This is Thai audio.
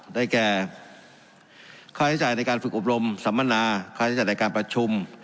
ได้แก่ค่าใช้จ่ายในการฝึกอบรมสัมมนาค่าใช้จ่ายในการประชุม